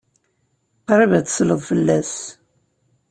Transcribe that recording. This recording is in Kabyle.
Qrib ad tesleḍ fell-as.